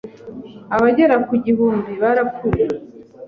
abagera ku igihumbi barapfuye